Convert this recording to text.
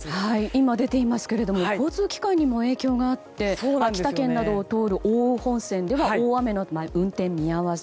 今、出ていますけれども交通機関にも影響があって秋田県などを通る奥羽本線では大雨で運転見合わせ。